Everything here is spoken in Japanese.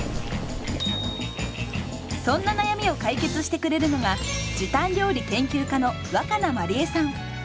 そんな悩みを解決してくれるのが時短料理研究家の若菜まりえさん。